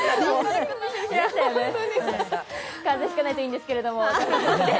風邪ひかないといいんですけれども。